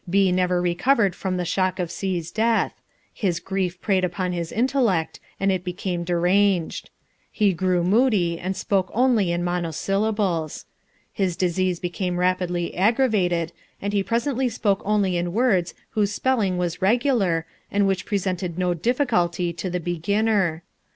B never recovered from the shock of C's death; his grief preyed upon his intellect and it became deranged. He grew moody and spoke only in monosyllables. His disease became rapidly aggravated, and he presently spoke only in words whose spelling was regular and which presented no difficulty to the beginner.